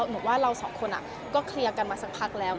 หนูว่าเราสองคนก็เคลียร์กันมาสักพักแล้ว